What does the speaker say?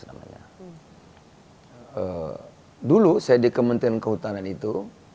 dulu saya di kementerian kehutanan itu